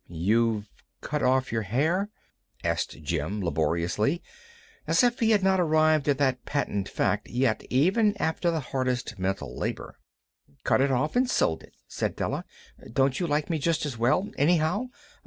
"You've cut off your hair?" asked Jim, laboriously, as if he had not arrived at that patent fact yet even after the hardest mental labor. "Cut it off and sold it," said Della. "Don't you like me just as well, anyhow?